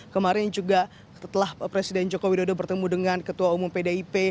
kemarin juga setelah presiden joko widodo bertemu dengan ketua umum pdip